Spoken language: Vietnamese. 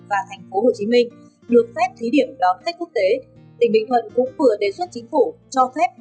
và thành phố hồ chí minh được phép thí điểm đón khách quốc tế